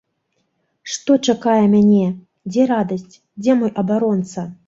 Што чакае мяне, дзе радасць, дзе мой абаронца?